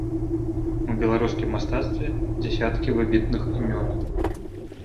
У беларускім мастацтве дзясяткі выбітных імёнаў.